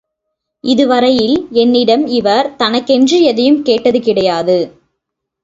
இதுவரையில் என்னிடம் இவர் தனக்கென்று எதையும் கேட்டது கிடையாது.